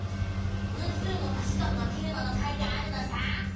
「分数の足し算」がテーマの回があるのさ！